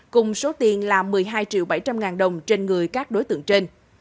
cùng số tiền là một mươi hai triệu bảy trăm linh ngàn đồng trên người các đối tượng trên